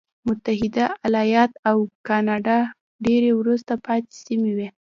متحده ایالات او کاناډا ډېرې وروسته پاتې سیمې وې.